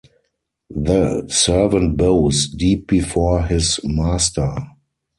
The servant bows deep before his master.